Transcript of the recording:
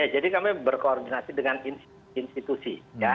jadi kami berkoordinasi dengan institusi